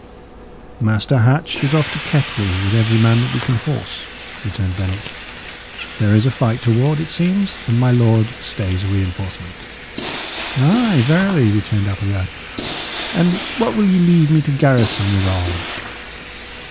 "Master Hatch is off to Kettley, with every man that we can horse," returned Bennet. "There is a fight toward, it seems, and my lord stays a reinforcement." "Ay, verily," returned Appleyard. "And what will ye leave me to garrison withal?"